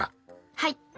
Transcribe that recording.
はい。